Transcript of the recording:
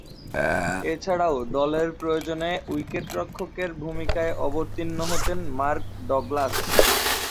এছাড়াও, দলের প্রয়োজনে উইকেট-রক্ষকের ভূমিকায় অবতীর্ণ হতেন মার্ক ডগলাস।